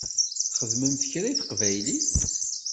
Txedmemt kra i teqbaylit?